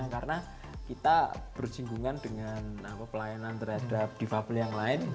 karena kita bersinggungan dengan pelayanan terhadap divabel yang lain